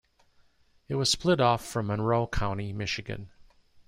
It was split off from Monroe County, Michigan.